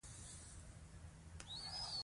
ارزو د راتلونکې خالي ورځې د تګ په اړه وویل.